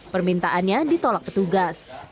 permintaannya ditolak petugas